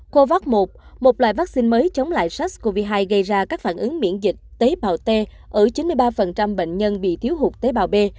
covax một một loại vaccine mới chống lại sars cov hai gây ra các phản ứng miễn dịch tế bào t ở chín mươi ba bệnh nhân bị thiếu hụt tế bào b